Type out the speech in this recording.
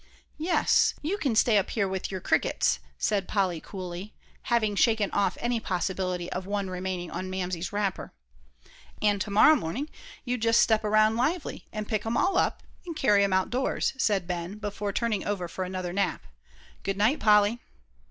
"Yes, you can stay up here with your crickets," said Polly, coolly, having shaken off any possibility of one remaining on Mamsie's wrapper. "And to morrow morning you just step around lively and pick 'em all up and carry 'em out doors," said Ben, before turning over for another nap. "Good night, Polly."